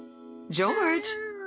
ジョージ。